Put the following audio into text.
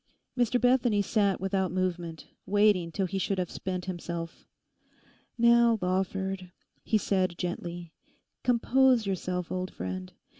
Mr Bethany sat without movement, waiting till he should have spent himself. 'Now, Lawford,' he said gently, 'compose yourself, old friend.